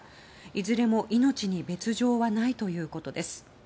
いずれも命に別条はないということです。